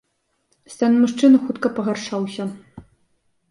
Стан мужчыны хутка пагаршаўся.